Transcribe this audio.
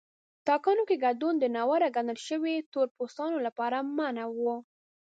ټاکنو کې ګډون د ناوړه ګڼل شویو تور پوستانو لپاره منع و.